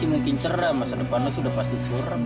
mungkin cerdas depannya sudah pasti serem